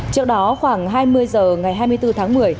trước đó khoảng hai mươi h ngày hai mươi bốn tháng một mươi